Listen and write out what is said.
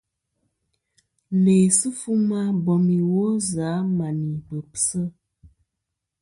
Læsɨ fu ma bom iwo zɨ a mà ni bebsɨ.